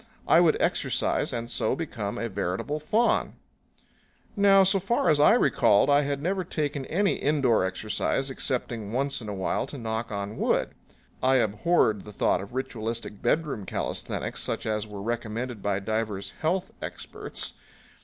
I would exercise and so become a veritable faun. Now, so far as I recalled, I had never taken any indoor exercise excepting once in a while to knock on wood. I abhorred the thought of ritualistic bedroom calisthenics such as were recommended by divers health experts.